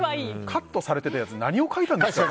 カットされてたやつ何を書いたんですか。